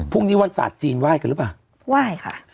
วันศาสตร์จีนไหว้กันหรือเปล่าไหว้ค่ะ